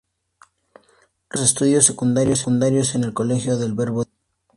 Realizó sus estudios secundarios en el Colegio del Verbo Divino.